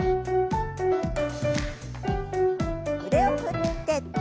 腕を振って。